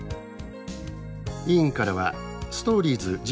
委員からはストーリーズ事件の涙